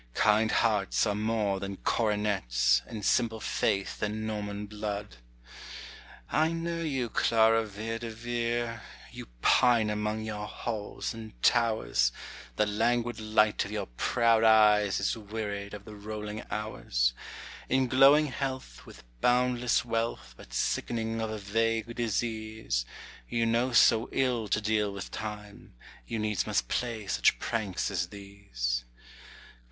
Kind hearts are more than coronets, And simple faith than Norman blood. I know you, Clara Vere de Vere: You pine among your halls and towers: The languid light of your proud eyes Is wearied of the rolling hours. In glowing health, with boundless wealth, But sickening of a vague disease, You know so ill to deal with time, You needs must play such pranks as these.